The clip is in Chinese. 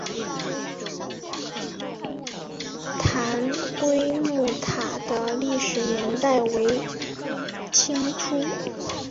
澹归墓塔的历史年代为清初。